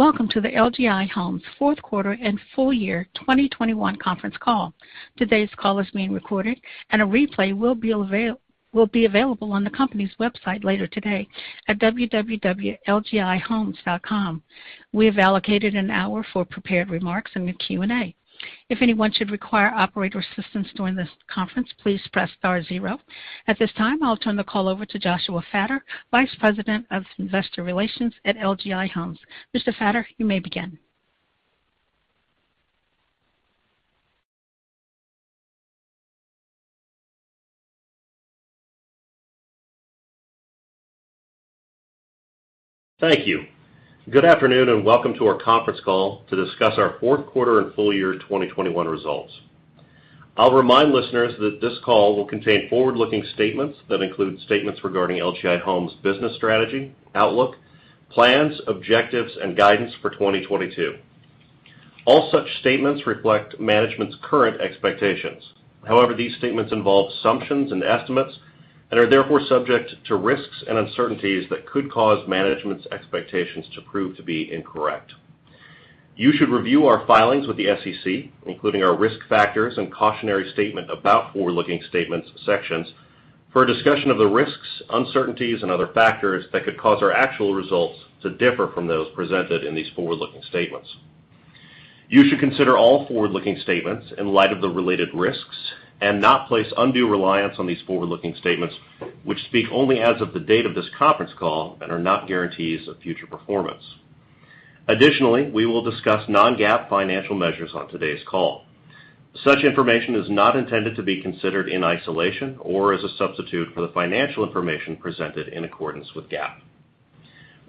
Welcome to the LGI Homes fourth quarter and full year 2021 conference call. Today's call is being recorded and a replay will be available on the company's website later today at www.lgihomes.com. We have allocated an hour for prepared remarks and the Q&A. If anyone should require operator assistance during this conference, please press star zero. At this time, I'll turn the call over to Joshua Fattor, Vice President of Investor Relations at LGI Homes. Mr. Fattor, you may begin. Thank you. Good afternoon, and welcome to our conference call to discuss our fourth quarter and full year 2021 results. I'll remind listeners that this call will contain forward-looking statements that include statements regarding LGI Homes business strategy, outlook, plans, objectives, and guidance for 2022. All such statements reflect management's current expectations. However, these statements involve assumptions and estimates and are therefore subject to risks and uncertainties that could cause management's expectations to prove to be incorrect. You should review our filings with the SEC, including our risk factors and cautionary statement about forward-looking statements sections for a discussion of the risks, uncertainties and other factors that could cause our actual results to differ from those presented in these forward-looking statements. You should consider all forward-looking statements in light of the related risks and not place undue reliance on these forward-looking statements, which speak only as of the date of this conference call and are not guarantees of future performance. Additionally, we will discuss Non-GAAP financial measures on today's call. Such information is not intended to be considered in isolation or as a substitute for the financial information presented in accordance with GAAP.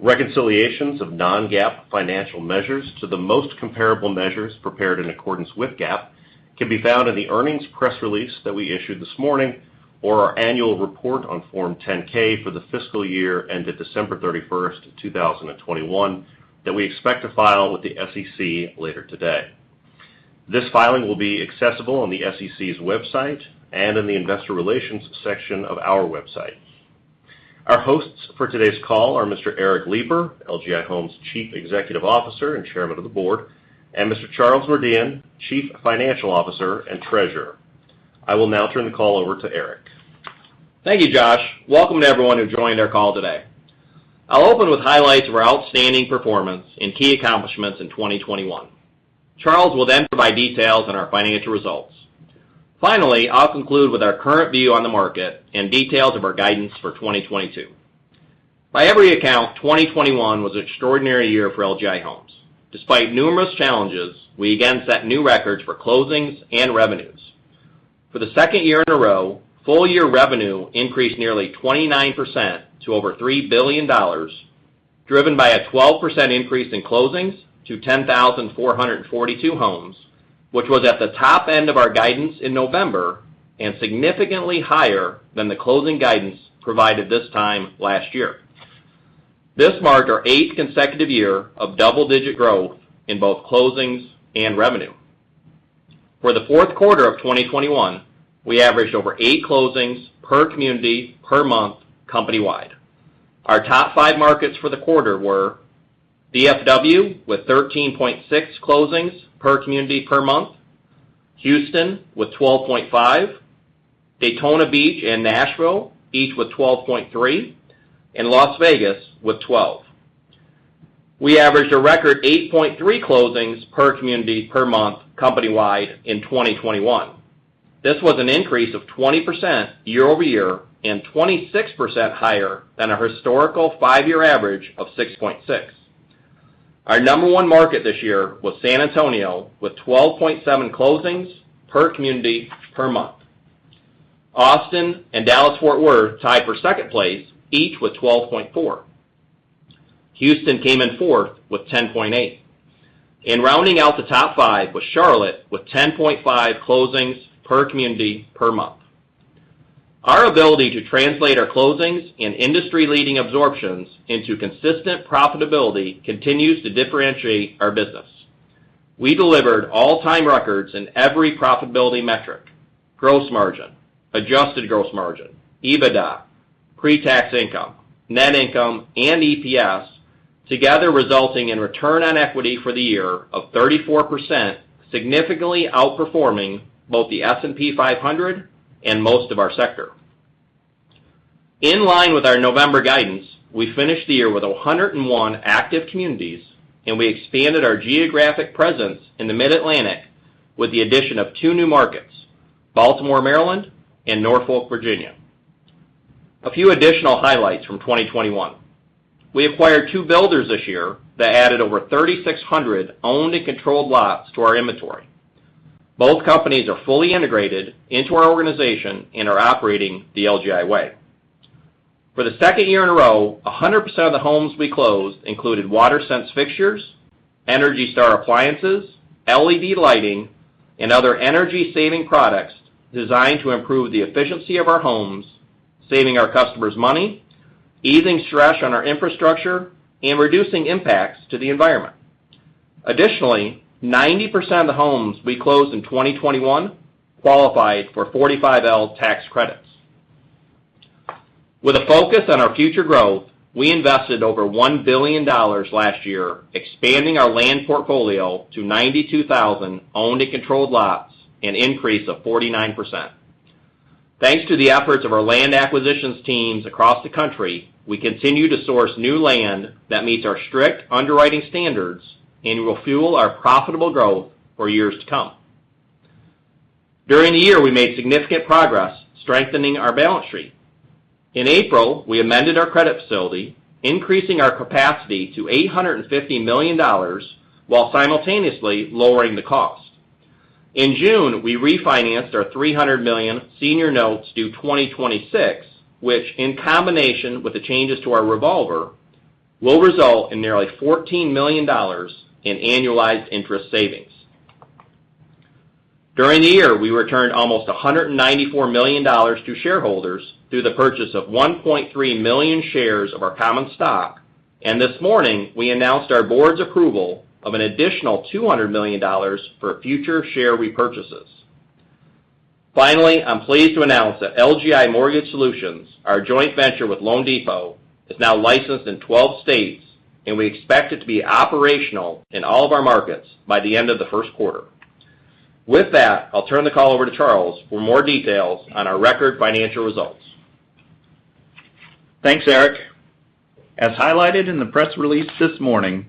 Reconciliations of Non-GAAP financial measures to the most comparable measures prepared in accordance with GAAP can be found in the earnings press release that we issued this morning or our annual report on Form 10-K for the fiscal year ended December 31, 2021, that we expect to file with the SEC later today. This filing will be accessible on the SEC's website and in the Investor Relations section of our website. Our hosts for today's call are Mr. Eric Lipar, LGI Homes Chief Executive Officer and Chairman of the Board, and Mr. Charles Merdian, Chief Financial Officer and Treasurer. I will now turn the call over to Eric. Thank you, Josh. Welcome to everyone who joined our call today. I'll open with highlights of our outstanding performance and key accomplishments in 2021. Charles will then provide details on our financial results. Finally, I'll conclude with our current view on the market and details of our guidance for 2022. By every account, 2021 was an extraordinary year for LGI Homes. Despite numerous challenges, we again set new records for closings and revenues. For the second year in a row, full year revenue increased nearly 29% to over $3 billion, driven by a 12% increase in closings to 10,442 homes, which was at the top end of our guidance in November and significantly higher than the closing guidance provided this time last year. This marked our eighth consecutive year of double-digit growth in both closings and revenue. For the fourth quarter of 2021, we averaged over eight closings per community per month company-wide. Our top five markets for the quarter were DFW with 13.6 closings per community per month, Houston with 12.5, Daytona Beach and Nashville each with 12.3, and Las Vegas with 12. We averaged a record 8.3 closings per community per month company-wide in 2021. This was an increase of 20% year-over-year and 26% higher than our historical five year average of 6.6. Our number one market this year was San Antonio with 12.7 closings per community per month. Austin and Dallas Fort Worth tied for second place, each with 12.4. Houston came in fourth with 10.8. Rounding out the top five was Charlotte with 10.5 closings per community per month. Our ability to translate our closings and industry-leading absorptions into consistent profitability continues to differentiate our business. We delivered all-time records in every profitability metric, gross margin, adjusted gross margin, EBITDA, pre-tax income, net income, and EPS, together resulting in return on equity for the year of 34%, significantly outperforming both the S&P 500 and most of our sector. In line with our November guidance, we finished the year with 101 active communities, and we expanded our geographic presence in the Mid-Atlantic with the addition of two new markets, Baltimore, Maryland, and Norfolk, Virginia. A few additional highlights from 2021. We acquired two builders this year that added over 3,600 owned and controlled lots to our inventory. Both companies are fully integrated into our organization and are operating the LGI way. For the second year in a row, 100% of the homes we closed included WaterSense fixtures, ENERGY STAR appliances, LED lighting, and other energy-saving products designed to improve the efficiency of our homes, saving our customers money, easing stress on our infrastructure, and reducing impacts to the environment. Additionally, 90% of the homes we closed in 2021 qualified for 45L tax credits. With a focus on our future growth, we invested over $1 billion last year expanding our land portfolio to 92,000 owned and controlled lots, an increase of 49%. Thanks to the efforts of our land acquisitions teams across the country, we continue to source new land that meets our strict underwriting standards and will fuel our profitable growth for years to come. During the year, we made significant progress strengthening our balance sheet. In April, we amended our credit facility, increasing our capacity to $850 million while simultaneously lowering the cost. In June, we refinanced our $300 million senior notes due 2026, which, in combination with the changes to our revolver, will result in nearly $14 million in annualized interest savings. During the year, we returned almost $194 million to shareholders through the purchase of 1.3 million shares of our common stock, and this morning, we announced our board's approval of an additional $200 million for future share repurchases. Finally, I'm pleased to announce that LGI Mortgage Solutions, our joint venture with loanDepot, is now licensed in 12 states, and we expect it to be operational in all of our markets by the end of the first quarter. With that, I'll turn the call over to Charles for more details on our record financial results. Thanks, Eric. As highlighted in the press release this morning,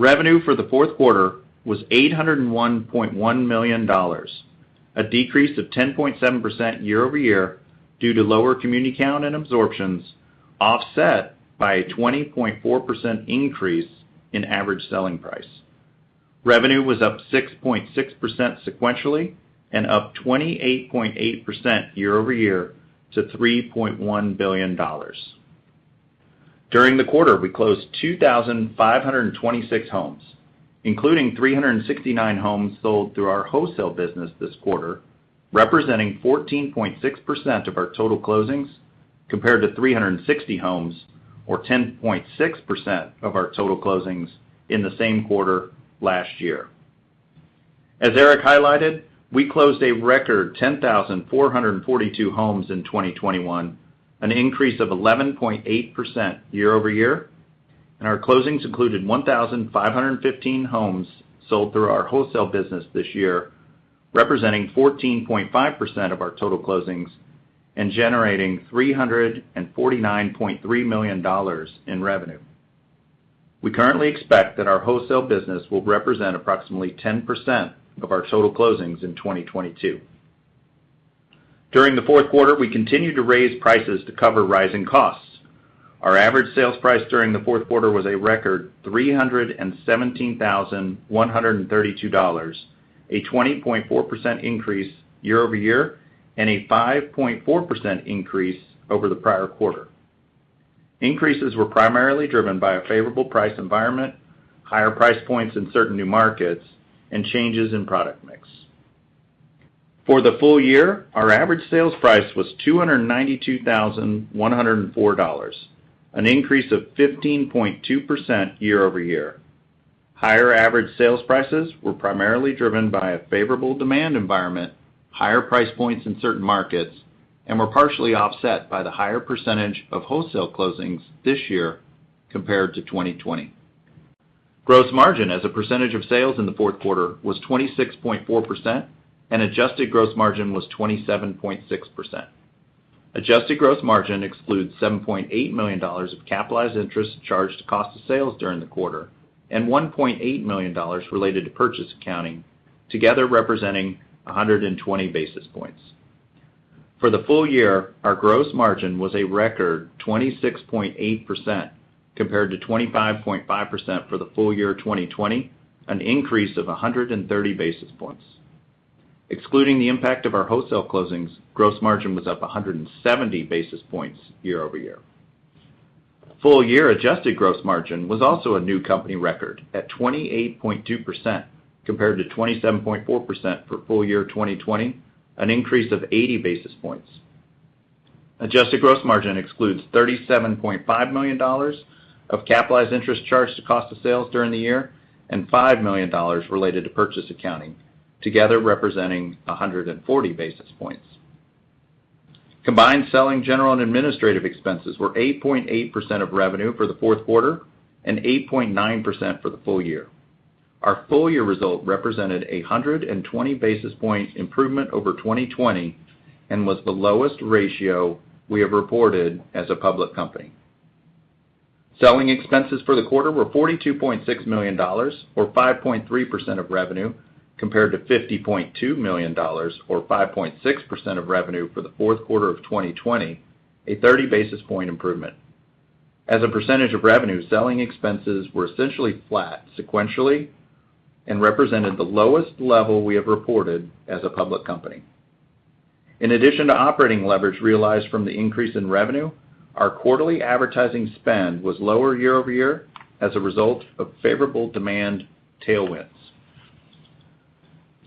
revenue for the fourth quarter was $801.1 million, a decrease of 10.7% year-over-year due to lower community count and absorptions, offset by a 20.4% increase in average selling price. Revenue was up 6.6% sequentially and up 28.8% year-over-year to $3.1 billion. During the quarter, we closed 2,526 homes, including 369 homes sold through our wholesale business this quarter, representing 14.6% of our total closings, compared to 360 homes or 10.6% of our total closings in the same quarter last year. As Eric highlighted, we closed a record 10,442 homes in 2021, an increase of 11.8% year-over-year, and our closings included 1,515 homes sold through our wholesale business this year, representing 14.5% of our total closings and generating $349.3 million in revenue. We currently expect that our wholesale business will represent approximately 10% of our total closings in 2022. During the fourth quarter, we continued to raise prices to cover rising costs. Our average sales price during the fourth quarter was a record $317,132, a 20.4% increase year-over-year and a 5.4% increase over the prior quarter. Increases were primarily driven by a favorable price environment, higher price points in certain new markets, and changes in product mix. For the full year, our average sales price was $292,104, an increase of 15.2% year-over-year. Higher average sales prices were primarily driven by a favorable demand environment, higher price points in certain markets, and were partially offset by the higher percentage of wholesale closings this year compared to 2020. Gross margin as a percentage of sales in the fourth quarter was 26.4%, and adjusted gross margin was 27.6%. Adjusted gross margin excludes $7.8 million of capitalized interest charged to cost of sales during the quarter and $1.8 million related to purchase accounting, together representing 120 basis points. For the full year, our gross margin was a record 26.8% compared to 25.5% for the full year 2020, an increase of 130 basis points. Excluding the impact of our wholesale closings, gross margin was up 170 basis points year-over-year. Full year adjusted gross margin was also a new company record at 28.2% compared to 27.4% for full year 2020, an increase of 80 basis points. Adjusted gross margin excludes $37.5 million of capitalized interest charged to cost of sales during the year and $5 million related to purchase accounting, together representing 140 basis points. Combined selling, general, and administrative expenses were 8.8% of revenue for the fourth quarter and 8.9% for the full year. Our full year result represented a 120 basis point improvement over 2020 and was the lowest ratio we have reported as a public company. Selling expenses for the quarter were $42.6 million or 5.3% of revenue compared to $50.2 million or 5.6% of revenue for the fourth quarter of 2020, a 30 basis point improvement. As a percentage of revenue, selling expenses were essentially flat sequentially and represented the lowest level we have reported as a public company. In addition to operating leverage realized from the increase in revenue, our quarterly advertising spend was lower year-over-year as a result of favorable demand tailwinds.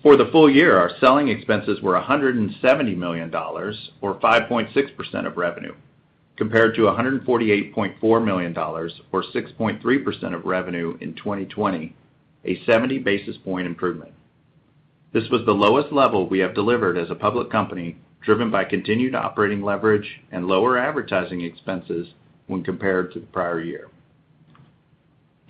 For the full year, our selling expenses were $170 million or 5.6% of revenue compared to $148.4 million or 6.3% of revenue in 2020, a 70 basis point improvement. This was the lowest level we have delivered as a public company, driven by continued operating leverage and lower advertising expenses when compared to the prior year.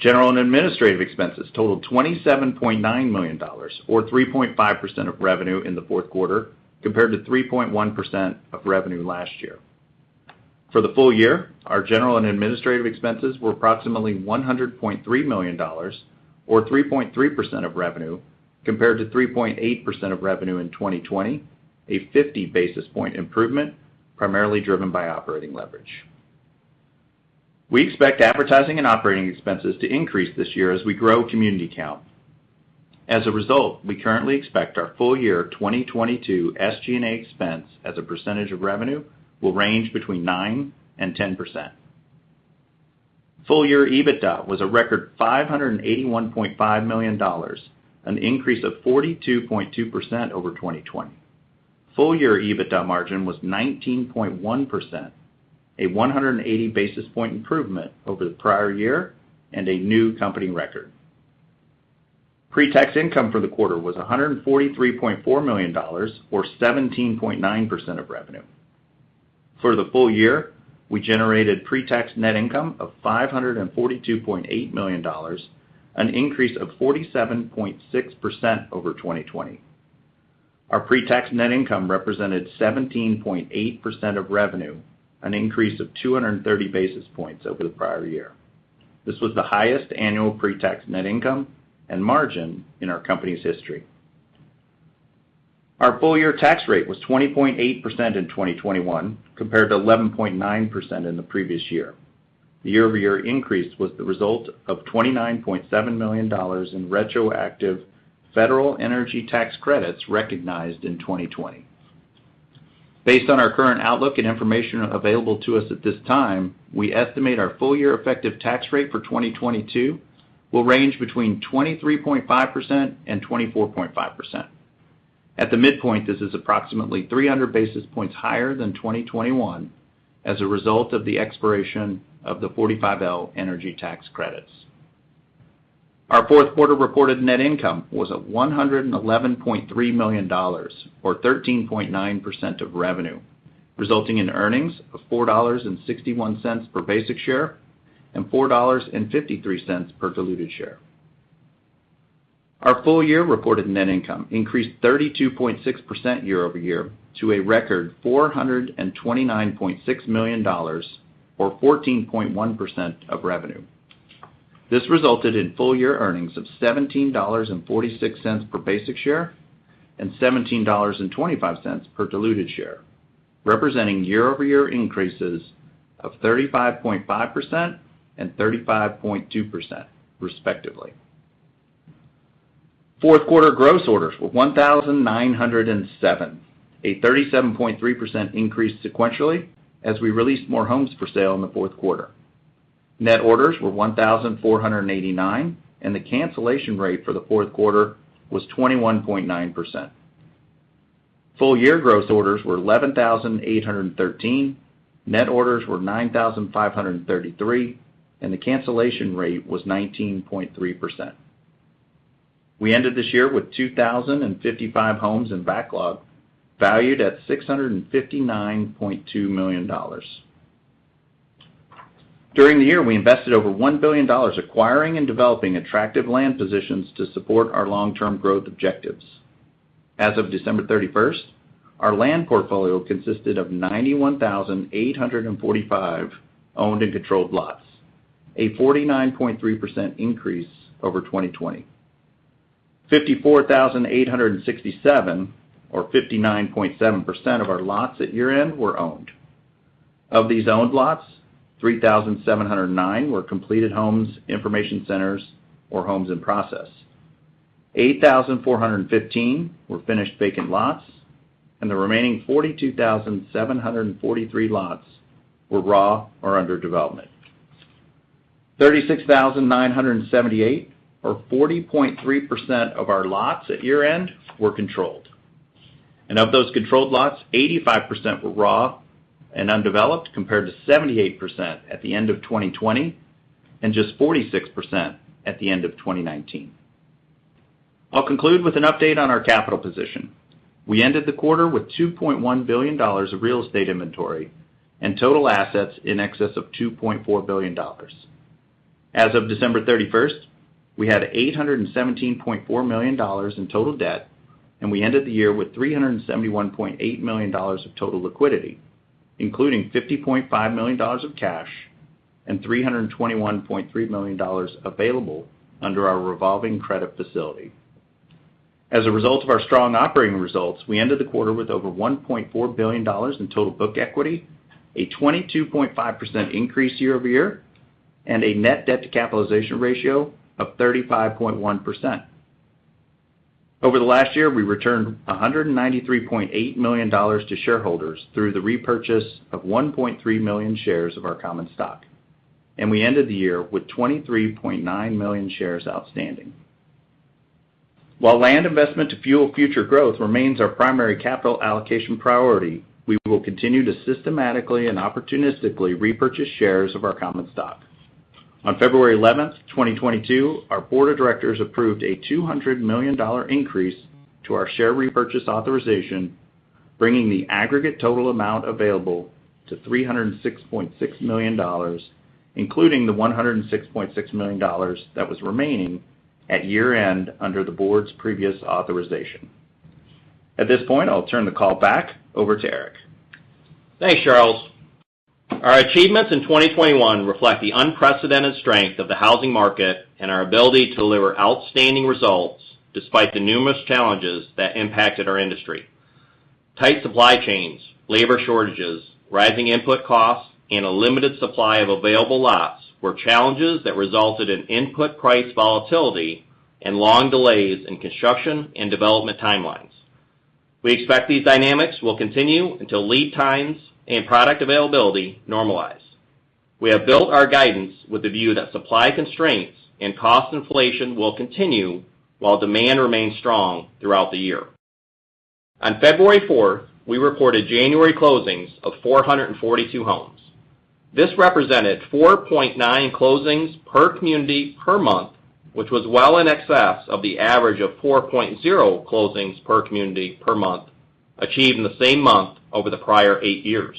General and administrative expenses totaled $27.9 million, or 3.5% of revenue in the fourth quarter, compared to 3.1% of revenue last year. For the full year, our general and administrative expenses were approximately $100.3 million or 3.3% of revenue compared to 3.8% of revenue in 2020, a 50 basis point improvement primarily driven by operating leverage. We expect advertising and operating expenses to increase this year as we grow community count. As a result, we currently expect our full year 2022 SG&A expense as a percentage of revenue will range between 9%-10%. Full year EBITDA was a record $581.5 million, an increase of 42.2% over 2020. Full year EBITDA margin was 19.1%, a 180 basis point improvement over the prior year and a new company record. Pre-tax income for the quarter was $143.4 million or 17.9% of revenue. For the full year, we generated pre-tax net income of $542.8 million, an increase of 47.6% over 2020. Our pre-tax net income represented 17.8% of revenue, an increase of 230 basis points over the prior year. This was the highest annual pre-tax net income and margin in our company's history. Our full year tax rate was 20.8% in 2021 compared to 11.9% in the previous year. The year-over-year increase was the result of $29.7 million in retroactive federal energy tax credits recognized in 2020. Based on our current outlook and information available to us at this time, we estimate our full year effective tax rate for 2022 will range between 23.5% and 24.5%. At the midpoint, this is approximately 300 basis points higher than 2021 as a result of the expiration of the 45L energy tax credits. Our fourth quarter reported net income was at $111.3 million or 13.9% of revenue, resulting in earnings of $4.61 per basic share and $4.53 per diluted share. Our full year reported net income increased 32.6% year-over-year to a record $429.6 million or 14.1% of revenue. This resulted in full year earnings of $17.46 per basic share and $17.25 per diluted share, representing year-over-year increases of 35.5% and 35.2% respectively. Fourth quarter gross orders were 1,907, a 37.3% increase sequentially as we released more homes for sale in the fourth quarter. Net orders were 1,489, and the cancellation rate for the fourth quarter was 21.9%. Full year gross orders were 11,813, net orders were 9,533, and the cancellation rate was 19.3%. We ended this year with 2,055 homes in backlog, valued at $659.2 million. During the year, we invested over $1 billion acquiring and developing attractive land positions to support our long-term growth objectives. As of December 31, our land portfolio consisted of 91,845 owned and controlled lots, a 49.3% increase over 2020. 54,867 or 59.7% of our lots at year-end were owned. Of these owned lots, 3,709 were completed homes, information centers, or homes in process. 8,415 were finished vacant lots, and the remaining 42,743 lots were raw or under development. 36,978 or 40.3% of our lots at year-end were controlled. Of those controlled lots, 85% were raw and undeveloped compared to 78% at the end of 2020 and just 46% at the end of 2019. I'll conclude with an update on our capital position. We ended the quarter with $2.1 billion of real estate inventory and total assets in excess of $2.4 billion. As of December 31, we had $817.4 million in total debt, and we ended the year with $371.8 million of total liquidity, including $50.5 million of cash and $321.3 million available under our revolving credit facility. As a result of our strong operating results, we ended the quarter with over $1.4 billion in total book equity, a 22.5% increase year-over-year, and a net debt to capitalization ratio of 35.1%. Over the last year, we returned $193.8 million to shareholders through the repurchase of 1.3 million shares of our common stock, and we ended the year with 23.9 million shares outstanding. While land investment to fuel future growth remains our primary capital allocation priority, we will continue to systematically and opportunistically repurchase shares of our common stock. On February 11, 2022, our board of directors approved a $200 million dollar increase to our share repurchase authorization, bringing the aggregate total amount available to $306.6 million dollars, including the $106.6 million dollars that was remaining at year-end under the board's previous authorization. At this point, I'll turn the call back over to Eric. Thanks, Charles. Our achievements in 2021 reflect the unprecedented strength of the housing market and our ability to deliver outstanding results despite the numerous challenges that impacted our industry. Tight supply chains, labor shortages, rising input costs, and a limited supply of available lots were challenges that resulted in input price volatility and long delays in construction and development timelines. We expect these dynamics will continue until lead times and product availability normalize. We have built our guidance with the view that supply constraints and cost inflation will continue while demand remains strong throughout the year. On February 4, we reported January closings of 442 homes. This represented 4.9 closings per community per month, which was well in excess of the average of 4.0 closings per community per month achieved in the same month over the prior eight years.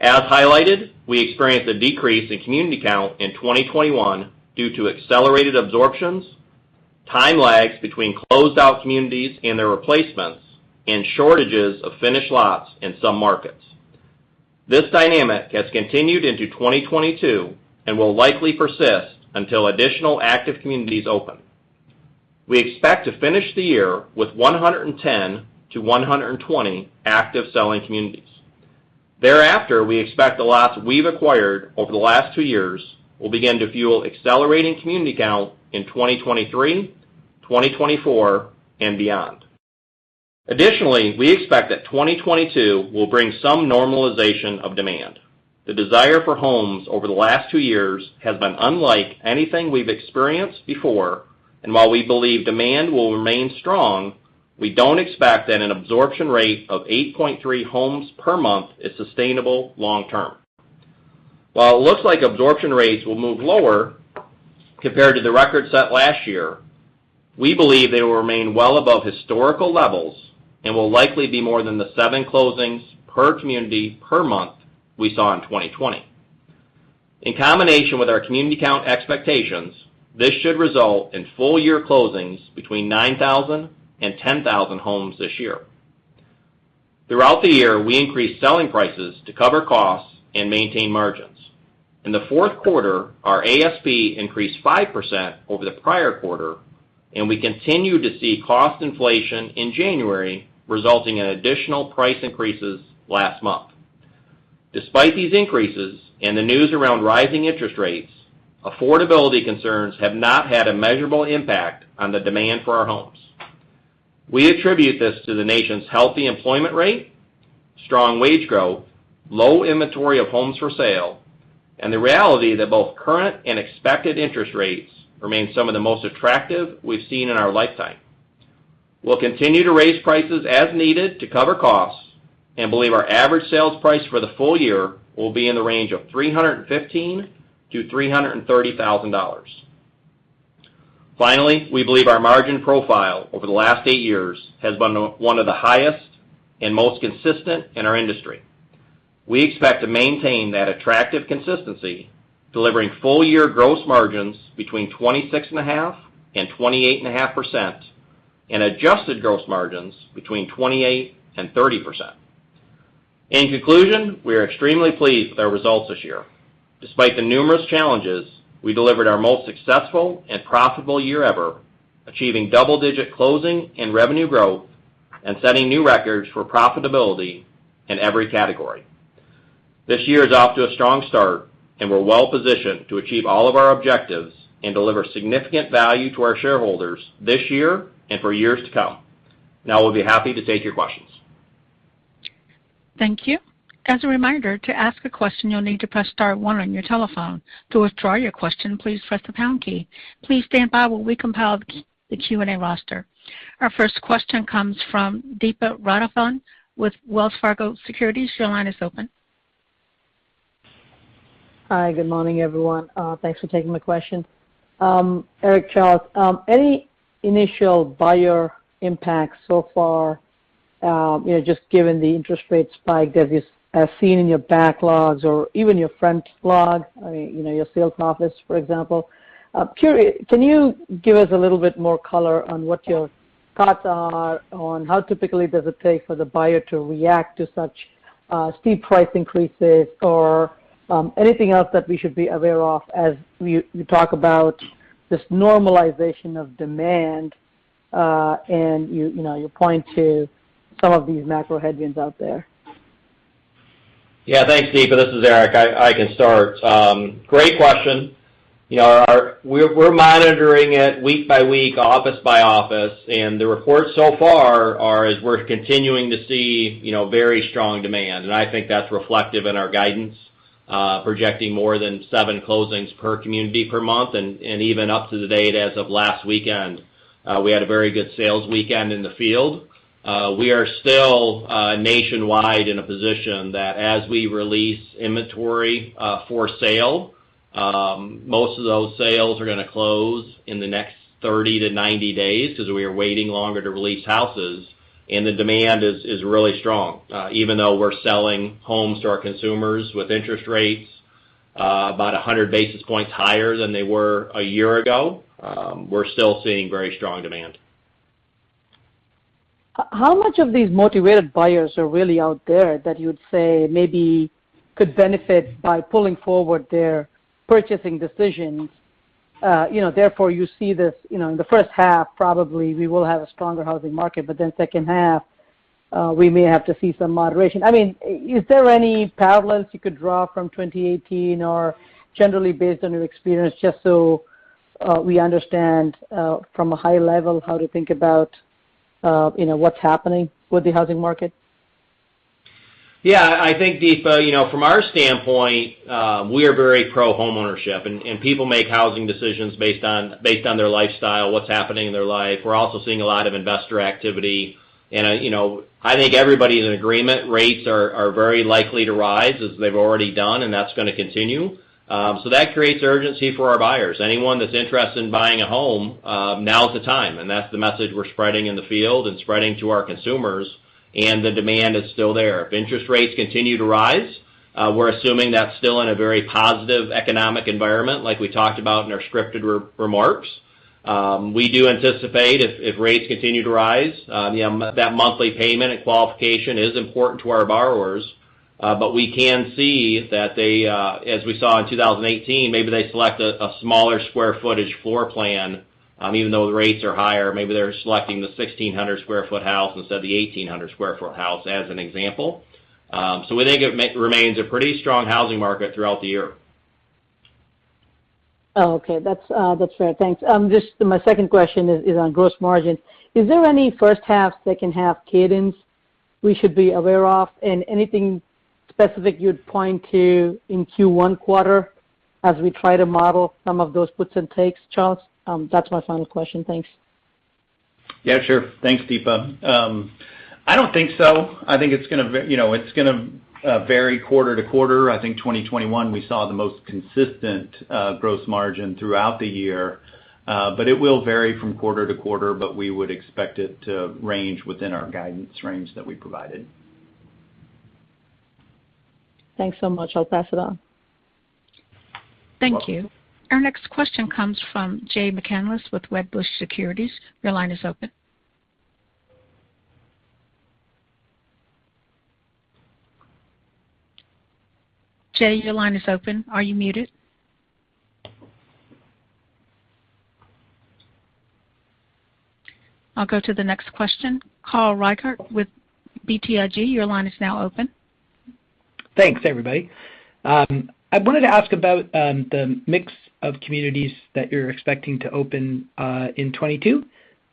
As highlighted, we experienced a decrease in community count in 2021 due to accelerated absorptions, time lags between closed out communities and their replacements, and shortages of finished lots in some markets. This dynamic has continued into 2022 and will likely persist until additional active communities open. We expect to finish the year with 110-120 active selling communities. Thereafter, we expect the lots we've acquired over the last two years will begin to fuel accelerating community count in 2023, 2024, and beyond. Additionally, we expect that 2022 will bring some normalization of demand. The desire for homes over the last two years has been unlike anything we've experienced before, and while we believe demand will remain strong, we don't expect that an absorption rate of 8.3 homes per month is sustainable long term. While it looks like absorption rates will move lower compared to the record set last year, we believe they will remain well above historical levels and will likely be more than the seven closings per community per month we saw in 2020. In combination with our community count expectations, this should result in full year closings between 9,000 and 10,000 homes this year. Throughout the year, we increased selling prices to cover costs and maintain margins. In the fourth quarter, our ASP increased 5% over the prior quarter, and we continue to see cost inflation in January, resulting in additional price increases last month. Despite these increases and the news around rising interest rates, affordability concerns have not had a measurable impact on the demand for our homes. We attribute this to the nation's healthy employment rate, strong wage growth, low inventory of homes for sale, and the reality that both current and expected interest rates remain some of the most attractive we've seen in our lifetime. We'll continue to raise prices as needed to cover costs and believe our average sales price for the full year will be in the range of $315,000-$330,000. Finally, we believe our margin profile over the last eight years has been one of the highest and most consistent in our industry. We expect to maintain that attractive consistency, delivering full year gross margins between 26.5% and 28.5% and adjusted gross margins between 28% and 30%. In conclusion, we are extremely pleased with our results this year. Despite the numerous challenges, we delivered our most successful and profitable year ever, achieving double-digit closing and revenue growth and setting new records for profitability in every category. This year is off to a strong start, and we're well-positioned to achieve all of our objectives and deliver significant value to our shareholders this year and for years to come. Now, we'll be happy to take your questions. Our first question comes from Deepa Raghavan with Wells Fargo Securities. Your line is open. Hi. Good morning, everyone. Thanks for taking my question. Eric, Charles, any initial buyer impact so far, you know, just given the interest rate spike that you have seen in your backlogs or even your front log, I mean, you know, your sales office, for example. Can you give us a little bit more color on what your thoughts are on how typically does it take for the buyer to react to such steep price increases or anything else that we should be aware of as you talk about this normalization of demand, and you know you point to some of these macro headwinds out there? Yeah. Thanks, Deepa. This is Eric. I can start. Great question. You know, we're monitoring it week by week, office by office, and the reports so far are, we're continuing to see, you know, very strong demand. I think that's reflective in our guidance, projecting more than seven closings per community per month. Even up to date as of last weekend, we had a very good sales weekend in the field. We are still nationwide in a position that as we release inventory for sale, most of those sales are gonna close in the next 30-90 days 'cause we are waiting longer to release houses, and the demand is really strong. Even though we're selling homes to our consumers with interest rates about 100 basis points higher than they were a year ago, we're still seeing very strong demand. How much of these motivated buyers are really out there that you'd say maybe could benefit by pulling forward their purchasing decisions? You know, therefore, you see this, you know, in the first half, probably we will have a stronger housing market, but then second half, we may have to see some moderation. I mean, is there any parallels you could draw from 2018 or generally based on your experience just so, we understand, from a high level how to think about, you know, what's happening with the housing market? Yeah. I think, Deepa, you know, from our standpoint, we are very pro-home ownership. People make housing decisions based on their lifestyle, what's happening in their life. We're also seeing a lot of investor activity. You know, I think everybody's in agreement rates are very likely to rise as they've already done, and that's gonna continue. That creates urgency for our buyers. Anyone that's interested in buying a home, now is the time, and that's the message we're spreading in the field and spreading to our consumers, and the demand is still there. If interest rates continue to rise, we're assuming that's still in a very positive economic environment like we talked about in our prepared remarks. We do anticipate if rates continue to rise, you know, that monthly payment and qualification is important to our borrowers, but we can see that they, as we saw in 2018, maybe they select a smaller square footage floor plan, even though the rates are higher. Maybe they're selecting the 1,600 sq ft house instead of the 1,800 sq ft house, as an example. We think it remains a pretty strong housing market throughout the year. Oh, okay. That's fair. Thanks. Just my second question is on gross margin. Is there any first half, second half cadence we should be aware of? Anything specific you'd point to in Q1 quarter as we try to model some of those puts and takes, Charles? That's my final question. Thanks. Yeah, sure. Thanks, Deepa. I don't think so. I think it's gonna you know, it's gonna vary quarter to quarter. I think 2021, we saw the most consistent gross margin throughout the year, but it will vary from quarter to quarter, but we would expect it to range within our guidance range that we provided. Thanks so much. I'll pass it on. Thank you. Our next question comes from Jay McCanless with Wedbush Securities. Your line is open. Jay, your line is open. Are you muted? I'll go to the next question. Carl Reichardt with BTIG, your line is now open. Thanks, everybody. I wanted to ask about the mix of communities that you're expecting to open in 2022.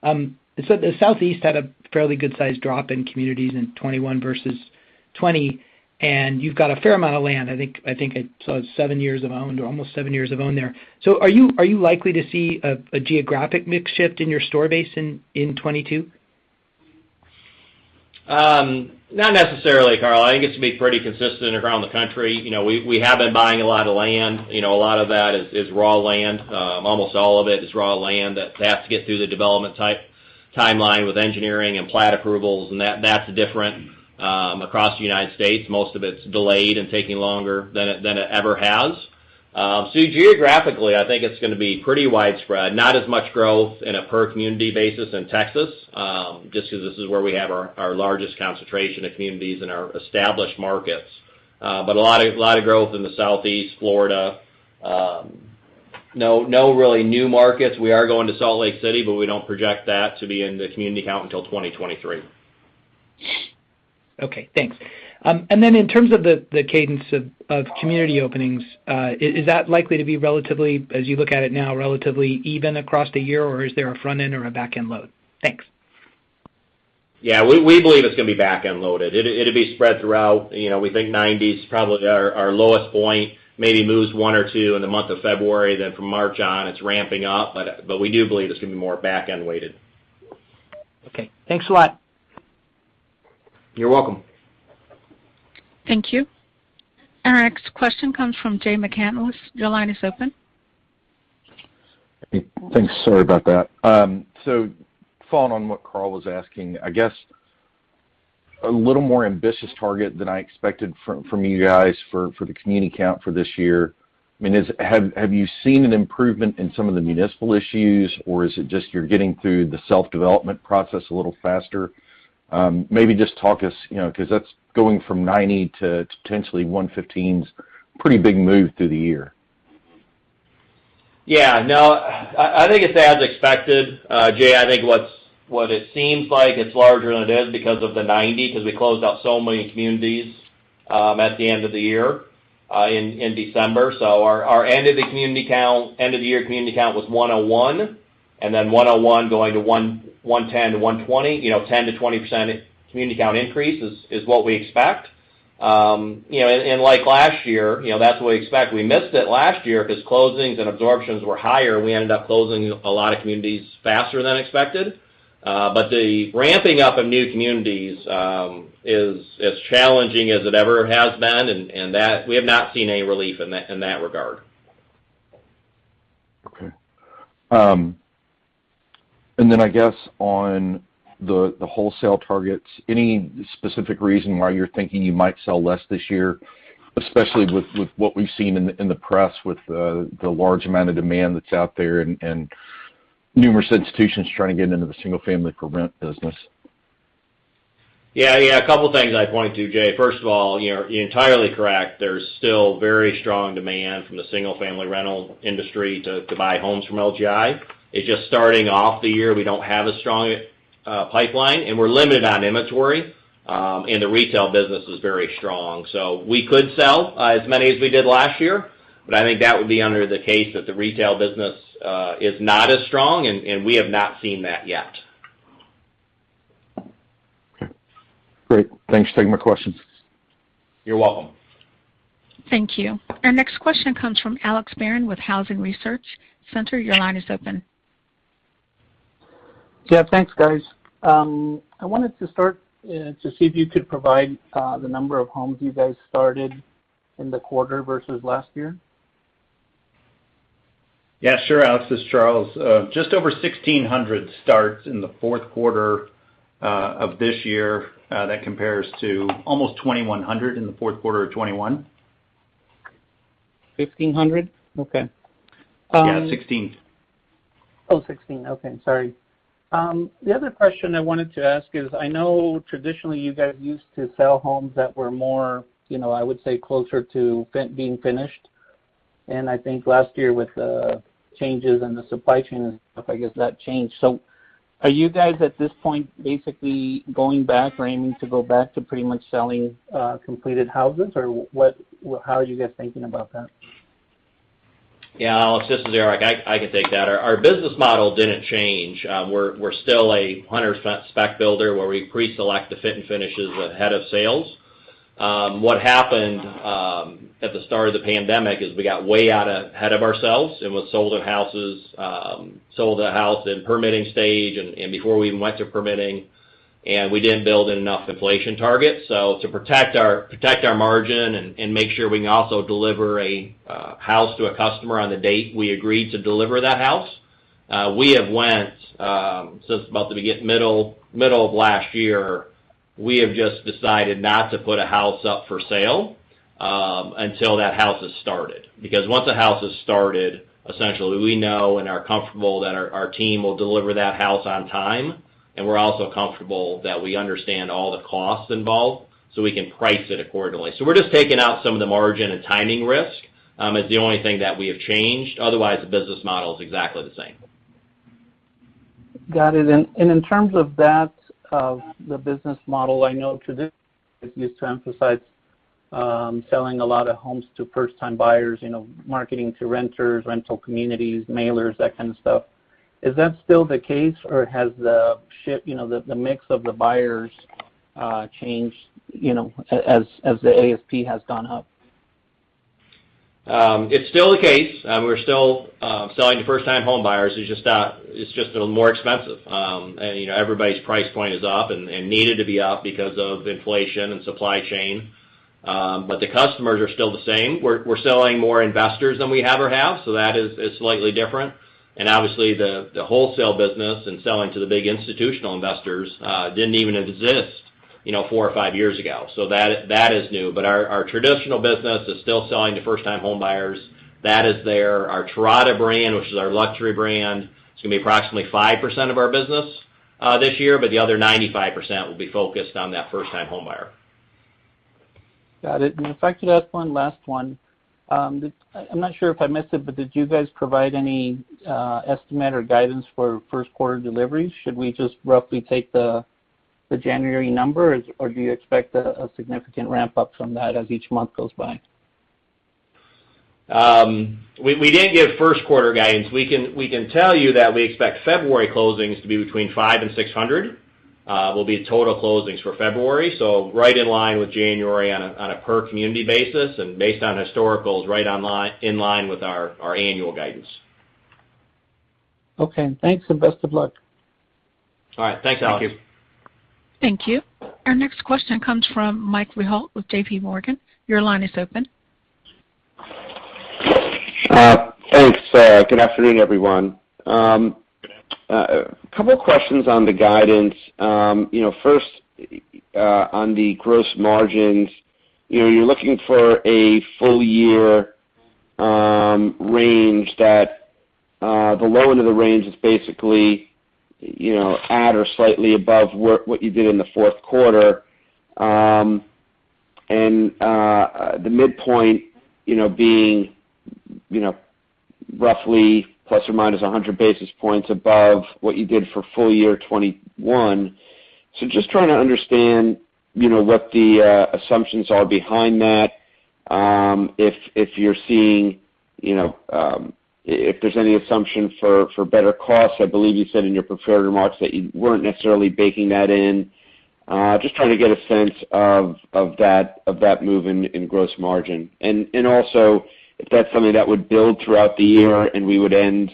The Southeast had a fairly good sized drop in communities in 2021 versus 2020, and you've got a fair amount of land. I think I saw seven years of owned or almost seven years of own there. Are you likely to see a geographic mix shift in your store base in 2022? Not necessarily, Carl. I think it's gonna be pretty consistent around the country. We have been buying a lot of land. A lot of that is raw land. Almost all of it is raw land that has to get through the development type-timeline with engineering and plat approvals, and that's different across the United States. Most of it's delayed and taking longer than it ever has. Geographically, I think it's gonna be pretty widespread, not as much growth in a per community basis in Texas, just 'cause this is where we have our largest concentration of communities in our established markets. A lot of growth in the Southeast Florida. No really new markets. We are going to Salt Lake City, but we don't project that to be in the community count until 2023. Okay, thanks. In terms of the cadence of community openings, is that likely to be relatively, as you look at it now, relatively even across the year, or is there a front-end or a back-end load? Thanks. Yeah. We believe it's gonna be back-end loaded. It'll be spread throughout. You know, we think 90s, probably our lowest point, maybe moves one or two in the month of February. From March on, it's ramping up. We do believe it's gonna be more back-end weighted. Okay. Thanks a lot. You're welcome. Thank you. Our next question comes from Jay McCanless. Your line is open. Hey. Thanks. Sorry about that. Following on what Carl was asking, I guess a little more ambitious target than I expected from you guys for the community count for this year. I mean, have you seen an improvement in some of the municipal issues, or is it just you're getting through the self-development process a little faster? Maybe just talk us through, you know, 'cause that's going from 90 to potentially 115s, pretty big move through the year. Yeah. No, I think it's as expected. Jay, I think it seems like it's larger than it is because of the 90, 'cause we closed out so many communities at the end of the year in December. So our end of the community count, end of the year community count was 101, and then 101 going to 110-120, you know, 10%-20% community count increase is what we expect. You know, and like last year, you know, that's what we expect. We missed it last year 'cause closings and absorptions were higher. We ended up closing a lot of communities faster than expected. The ramping up of new communities is as challenging as it ever has been, and that we have not seen any relief in that regard. Okay. I guess on the wholesale targets, any specific reason why you're thinking you might sell less this year, especially with what we've seen in the press with the large amount of demand that's out there and numerous institutions trying to get into the single-family for rent business? Yeah. A couple things I'd point to, Jay. First of all, you know, you're entirely correct. There's still very strong demand from the single-family rental industry to buy homes from LGI. It's just starting off the year, we don't have a strong pipeline, and we're limited on inventory, and the retail business is very strong. We could sell as many as we did last year, but I think that would be under the case that the retail business is not as strong and we have not seen that yet. Great. Thanks for taking my questions. You're welcome. Thank you. Our next question comes from Alex Barron with Housing Research Center. Your line is open. Yeah. Thanks, guys. I wanted to start to see if you could provide the number of homes you guys started in the quarter versus last year. Yeah, sure, Alex. This is Charles. Just over 1,600 starts in the fourth quarter of this year. That compares to almost 2,100 in the fourth quarter of 2021. 1,500? Okay. Yeah, 16. The other question I wanted to ask is, I know traditionally you guys used to sell homes that were more, you know, I would say closer to being finished. I think last year with the changes in the supply chain and stuff, I guess that changed. Are you guys at this point basically going back or aiming to go back to pretty much selling completed houses? Or what? How are you guys thinking about that? Yeah. Alex, this is Eric. I can take that. Our business model didn't change. We're still 100% spec builder where we pre-select the features and finishes ahead of sales. What happened at the start of the pandemic is we got way out ahead of ourselves and we sold our houses, sold a house in permitting stage and before we even went to permitting, and we didn't build in enough inflation targets. To protect our margin and make sure we can also deliver a house to a customer on the date we agreed to deliver that house, we have went since about the middle of last year, we have just decided not to put a house up for sale until that house has started. Because once a house has started, essentially we know and are comfortable that our team will deliver that house on time, and we're also comfortable that we understand all the costs involved, so we can price it accordingly. We're just taking out some of the margin and timing risk is the only thing that we have changed. Otherwise, the business model is exactly the same. Got it. In terms of that, the business model, I know traditionally you used to emphasize selling a lot of homes to first-time buyers, you know, marketing to renters, rental communities, mailers, that kind of stuff. Is that still the case, or has the shift, you know, the mix of the buyers, changed, you know, as the ASP has gone up? It's still the case. We're still selling to first-time homebuyers. It's just a little more expensive. You know, everybody's price point is up and needed to be up because of inflation and supply chain. The customers are still the same. We're selling more investors than we ever have, so that is slightly different. Obviously, the wholesale business and selling to the big institutional investors didn't even exist, you know, four or five years ago. That is new. Our traditional business is still selling to first-time homebuyers. That is there. Our Terrata brand, which is our luxury brand, it's gonna be approximately 5% of our business this year, but the other 95% will be focused on that first-time homebuyer. Got it. If I could ask one last one. I'm not sure if I missed it, but did you guys provide any estimate or guidance for first quarter deliveries? Should we just roughly take the January number, or do you expect a significant ramp-up from that as each month goes by? We didn't give first quarter guidance. We can tell you that we expect February closings to be between 500 and 600, which will be total closings for February. Right in line with January on a per community basis, and based on historicals, right in line with our annual guidance. Okay. Thanks, and best of luck. All right. Thanks, Alex. Thank you. Our next question comes from Michael Rehaut with JPMorgan. Your line is open. Thanks. Good afternoon, everyone. A couple of questions on the guidance. You know, first, on the gross margins. You know, you're looking for a full year range that the low end of the range is basically you know, at or slightly above what you did in the fourth quarter. The midpoint you know, being you know, roughly ±100 basis points above what you did for full year 2021. Just trying to understand you know, what the assumptions are behind that. If you're seeing you know, if there's any assumption for better costs. I believe you said in your prepared remarks that you weren't necessarily baking that in. Just trying to get a sense of that move in gross margin. Also, if that's something that would build throughout the year, and we would end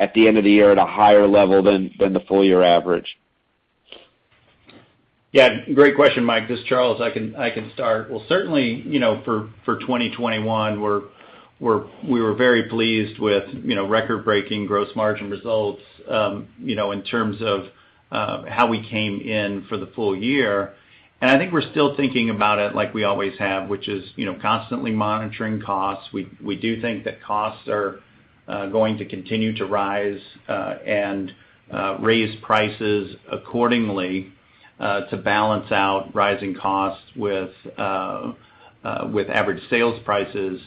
at the end of the year at a higher level than the full year average. Yeah. Great question, Mike. This is Charles. I can start. Well, certainly, you know, for 2021, we were very pleased with, you know, record-breaking gross margin results, you know, in terms of how we came in for the full year. I think we're still thinking about it like we always have, which is, you know, constantly monitoring costs. We do think that costs are going to continue to rise and raise prices accordingly to balance out rising costs with average sales prices.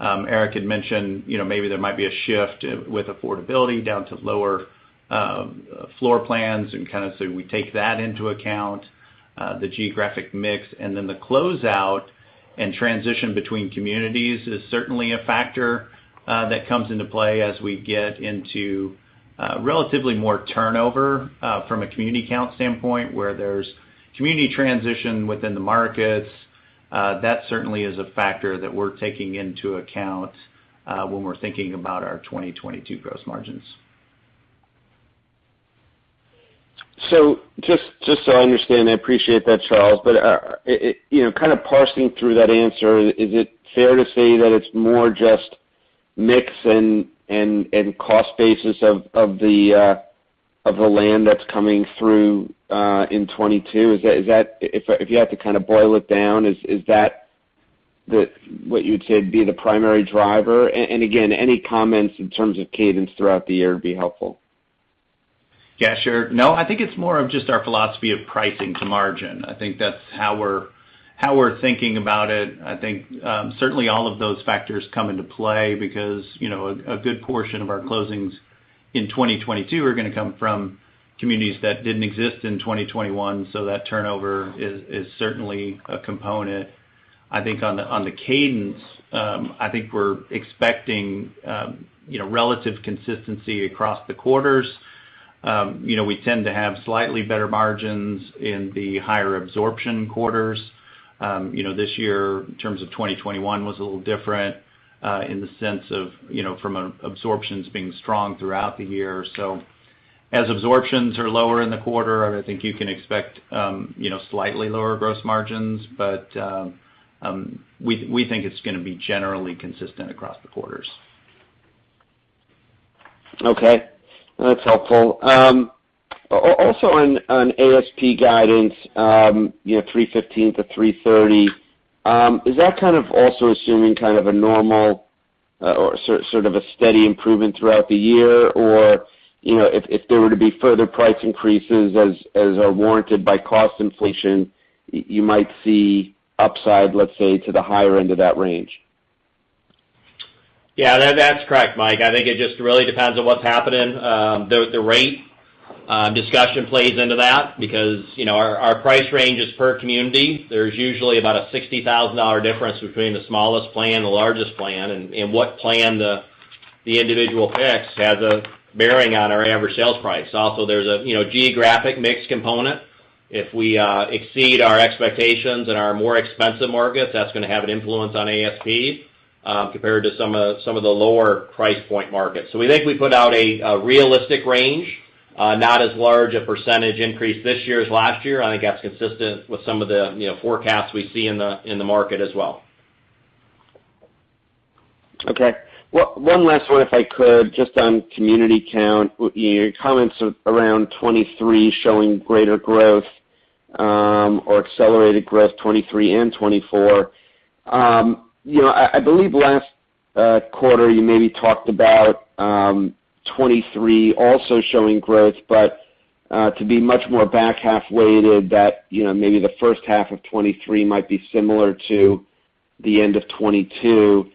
Eric had mentioned, you know, maybe there might be a shift with affordability down to lower floor plans and kind of so we take that into account, the geographic mix. The closeout and transition between communities is certainly a factor that comes into play as we get into relatively more turnover from a community count standpoint, where there's community transition within the markets. That certainly is a factor that we're taking into account when we're thinking about our 2022 gross margins. Just so I understand, I appreciate that, Charles. It, you know, kind of parsing through that answer, is it fair to say that it's more just mix and cost basis of the land that's coming through in 2022? Is that if you had to kind of boil it down, is that the what you'd say would be the primary driver? And again, any comments in terms of cadence throughout the year would be helpful. Yeah, sure. No, I think it's more of just our philosophy of pricing to margin. I think that's how we're thinking about it. I think certainly all of those factors come into play because, you know, a good portion of our closings in 2022 are gonna come from communities that didn't exist in 2021. So that turnover is certainly a component. I think on the cadence, I think we're expecting, you know, relative consistency across the quarters. You know, we tend to have slightly better margins in the higher absorption quarters. You know, this year, in terms of 2021, was a little different, in the sense of, you know, from absorptions being strong throughout the year. As absorptions are lower in the quarter, I think you can expect, you know, slightly lower gross margins. We think it's gonna be generally consistent across the quarters. Okay. That's helpful. Also on ASP guidance, you know, $315-$330, is that kind of also assuming kind of a normal or sort of a steady improvement throughout the year? Or, you know, if there were to be further price increases as are warranted by cost inflation, you might see upside, let's say, to the higher end of that range? Yeah, that's correct, Mike. I think it just really depends on what's happening. The rate discussion plays into that because, you know, our price range is per community. There's usually about a $60,000 difference between the smallest plan and the largest plan, and what plan the individual picks has a bearing on our average sales price. Also, there's a you know, geographic mix component. If we exceed our expectations in our more expensive markets, that's gonna have an influence on ASP, compared to some of the lower price point markets. We think we put out a realistic range, not as large a percentage increase this year as last year. I think that's consistent with some of the you know, forecasts we see in the market as well. Okay. One last one, if I could, just on community count. Your comments around 2023 showing greater growth, or accelerated growth, 2023 and 2024. You know, I believe last quarter, you maybe talked about 2023 also showing growth, but to be much more back half weighted that, you know, maybe the first half of 2023 might be similar to the end of 2022.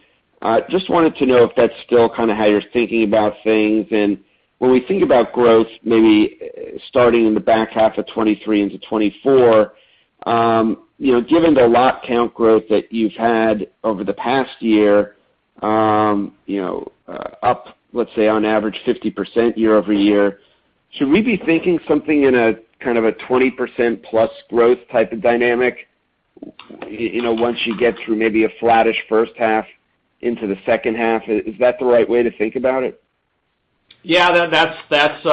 Just wanted to know if that's still kind of how you're thinking about things. When we think about growth, maybe starting in the back half of 2023 into 2024, you know, given the lot count growth that you've had over the past year, you know, up, let's say, on average 50% year-over-year, should we be thinking something in a kind of a 20%+ growth type of dynamic, you know, once you get through maybe a flattish first half into the second half? Is that the right way to think about it? Yeah, that's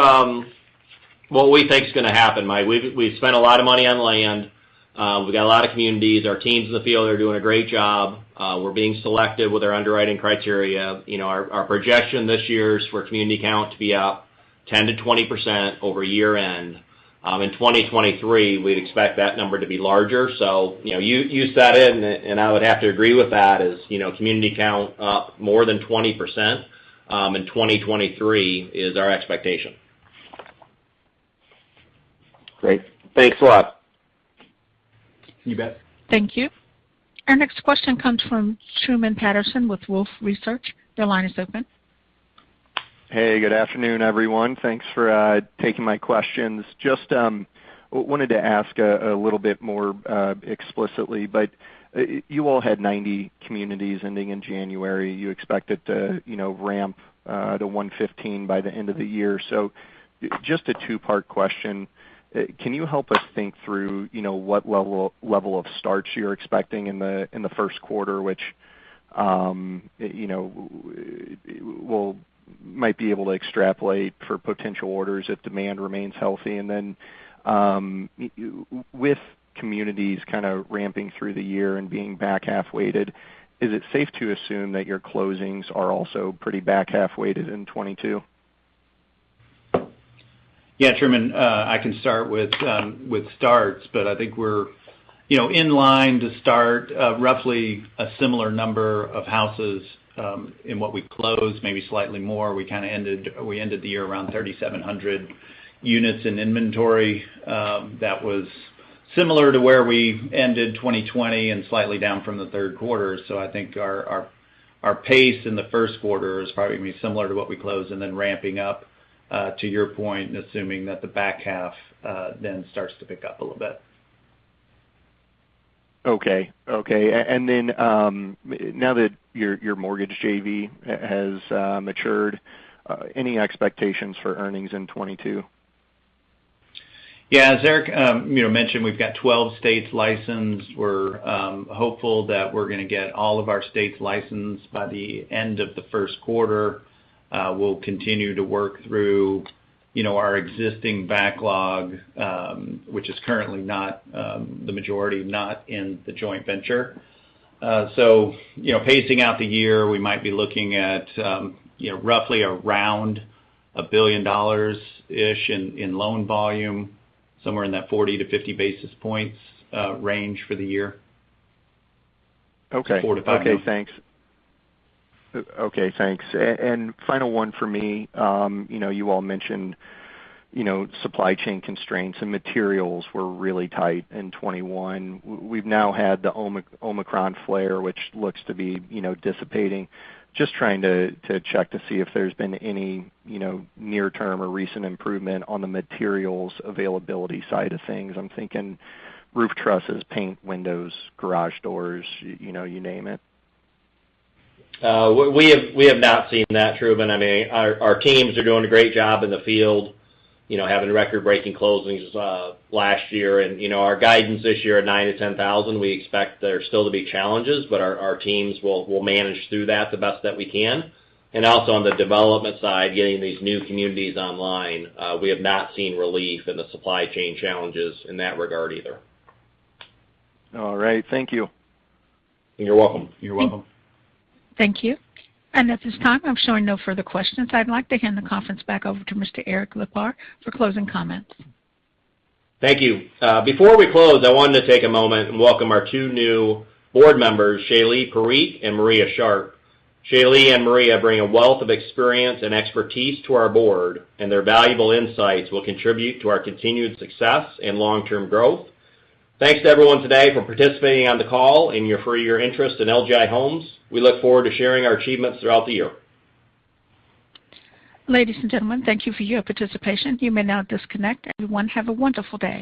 what we think is gonna happen, Mike. We've spent a lot of money on land. We got a lot of communities. Our teams in the field are doing a great job. We're being selective with our underwriting criteria. You know, our projection this year is for community count to be up 10%-20% over year end. In 2023, we'd expect that number to be larger. You know, you said it, and I would have to agree with that. You know, community count up more than 20% in 2023 is our expectation. Great. Thanks a lot. You bet. Thank you. Our next question comes from Truman Patterson with Wolfe Research. Your line is open. Hey, good afternoon, everyone. Thanks for taking my questions. Just wanted to ask a little bit more explicitly, but you all had 90 communities ending in January. You expected to, you know, ramp to 115 by the end of the year. Just a two-part question. Can you help us think through, you know, what level of starts you're expecting in the first quarter, which, you know, we might be able to extrapolate for potential orders if demand remains healthy? With communities kind of ramping through the year and being back-half weighted, is it safe to assume that your closings are also pretty back-half weighted in 2022? Yeah, Truman, I can start with starts, but I think we're, you know, in line to start roughly a similar number of houses in what we closed, maybe slightly more. We kind of ended the year around 3,700 units in inventory. That was similar to where we ended 2020 and slightly down from the third quarter. I think our pace in the first quarter is probably gonna be similar to what we closed and then ramping up to your point, assuming that the back half then starts to pick up a little bit. Now that your mortgage JV has matured, any expectations for earnings in 2022? Yeah. As Eric, you know, mentioned, we've got 12 states licensed. We're hopeful that we're gonna get all of our states licensed by the end of the first quarter. We'll continue to work through, you know, our existing backlog, which is currently not the majority, not in the joint venture. So, you know, pacing out the year, we might be looking at, you know, roughly around $1 billion-ish in loan volume, somewhere in that 40-50 basis points range for the year. Okay. Support it by them. Okay, thanks. Final one for me. You know, you all mentioned, you know, supply chain constraints and materials were really tight in 2021. We've now had the Omicron flare, which looks to be, you know, dissipating. Just trying to check to see if there's been any, you know, near-term or recent improvement on the materials availability side of things. I'm thinking roof trusses, paint, windows, garage doors, you know, you name it. We have not seen that, Truman. I mean, our teams are doing a great job in the field, you know, having record-breaking closings last year. You know, our guidance this year at 9,000-10,000, we expect there still to be challenges, but our teams will manage through that the best that we can. Also on the development side, getting these new communities online, we have not seen relief in the supply chain challenges in that regard either. All right. Thank you. You're welcome. Thank you. At this time, I'm showing no further questions. I'd like to hand the conference back over to Mr. Eric Lipar for closing comments. Thank you. Before we close, I wanted to take a moment and welcome our two new board members, Shailee Parikh and Maria Renna Sharpe. Shailee and Maria bring a wealth of experience and expertise to our board, and their valuable insights will contribute to our continued success and long-term growth. Thanks to everyone today for participating on the call and for your interest in LGI Homes. We look forward to sharing our achievements throughout the year. Ladies and gentlemen, thank you for your participation. You may now disconnect. Everyone, have a wonderful day.